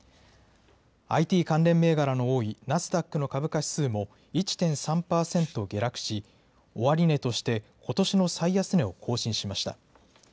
ＩＴ関連銘柄の多い、ナスダックの株価指数も１．３％下落し、終値として、ことしの最安値を更新しました。